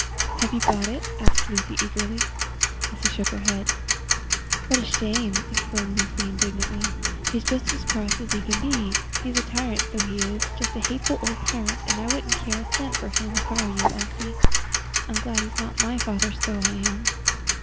"Have you got it?" asked Lucy, eagerly. Elsie shook her head. "What a shame!" exclaimed Lucy, indignantly. "He's just as cross as he can be. He's a tyrant, so he is! just a hateful old tyrant, and I wouldn't care a cent for him, if I were you, Elsie. I'm glad he is not my father, so I am."